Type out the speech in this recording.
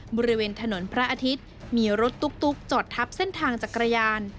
บริเวณถนนพระอาทิตย์มีรถตุ๊กจอดทับเส้นทางจักรยาน